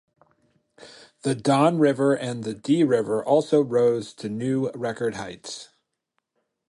The Don River and the Dee River also rose to new record heights.